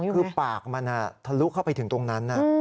คือปากมันทะลุเข้าไปถึงตรงนั้น